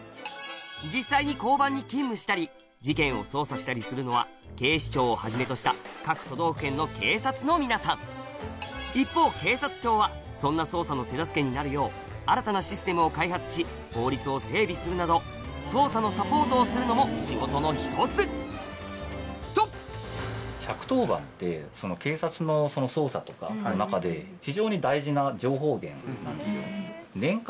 実際に交番に勤務したり事件を捜査したりするのは警視庁をはじめとした各都道府県の警察の皆さん一方警察庁はそんな捜査の手助けになるよう新たなシステムを開発し法律を整備するなど捜査のサポートをするのも仕事の１つと分かります？